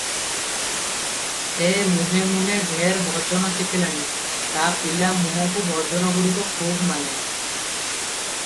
ସେ ମୁହେଁ ମୁହେଁ ଢେର ଭଜନ ଶିଖିଗଲାଣି, ତା ପିଲା ମୁହଁକୁ ଭଜନଗୁଡ଼ିକ ଖୁବ୍ ମାନେ।